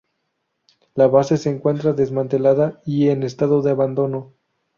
La base se encuentra desmantelada y en estado de abandono.